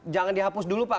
jangan dihapus dulu pak